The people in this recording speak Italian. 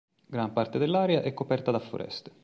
Gran parte dell'area è coperta da foreste.